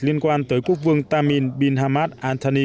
liên quan tới quốc vương tamim bin hamad anthony